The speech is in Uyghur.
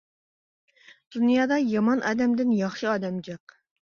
دۇنيادا يامان ئادەمدىن ياخشى ئادەم جىق.